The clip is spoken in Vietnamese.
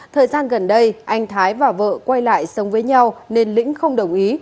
thời gian gần đây anh thái và vợ quay lại sống với nhau nên lĩnh không đồng ý